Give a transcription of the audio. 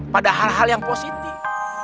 pada hal hal yang positif